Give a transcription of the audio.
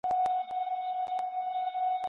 لوستل د پوهې لومړی ګام دی.